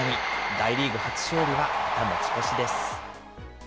大リーグ初勝利は、また持ち越しです。